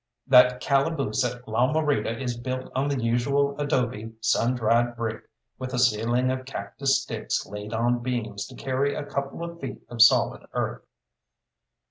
That calaboose at La Morita is built of the usual adobe, sun dried brick, with a ceiling of cactus sticks laid on beams to carry a couple of feet of solid earth.